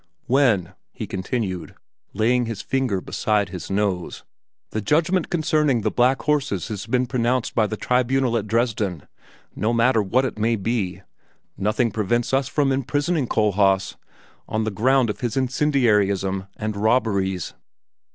"When," he continued, laying his finger beside his nose, "the judgment concerning the black horses has been pronounced by the Tribunal at Dresden, no matter what it may be, nothing prevents us from imprisoning Kohlhaas on the ground of his incendiarism and robberies.